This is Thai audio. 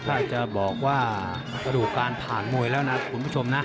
ใครจะบอกว่ากระดูกการผ่านมวยแล้วนะคุณผู้ชมนะ